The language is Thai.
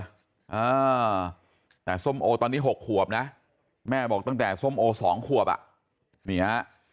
อ่าแต่ส้มโอตอนนี้หกขวบนะแม่บอกตั้งแต่ส้มโอสองขวบอ่ะนี่ฮะ